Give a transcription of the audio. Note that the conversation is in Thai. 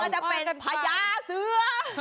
ก็จะเป็นพระยาเสือ